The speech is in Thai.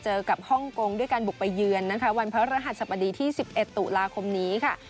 เจอกับฮ่องกงด้วยการบุกไปเยือนนะคะวันพระรหัสสบดีที่๑๑ตุลาคมนี้ค่ะ